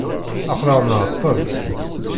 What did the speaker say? Aqel-aɣ nɛeṭṭel.